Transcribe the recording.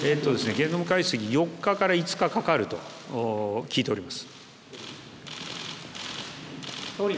ゲノム解析には４日から５日かかると聞いております。